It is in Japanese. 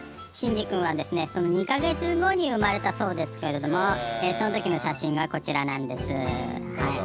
しんじ君はですねその２か月後に生まれたそうですけれどもそのときの写真がこちらなんです。